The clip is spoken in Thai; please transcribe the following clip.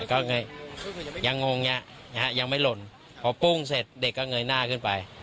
ก็เลยยังงงยังไม่หล่นพอปุ้งเสร็จเด็กก็เงยหน้าขึ้นไป